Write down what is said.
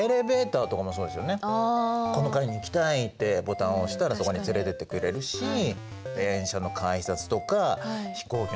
この階に行きたいってボタン押したらそこに連れてってくれるし電車の改札とか飛行機の搭乗銀行のＡＴＭ。